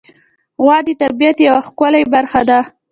غوا د طبیعت یوه ښکلی برخه ده.